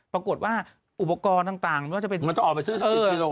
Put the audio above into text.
ปรากฏว่าอุปกรณ์ต่างมันจะออกไปซื้อ๑๐กิโล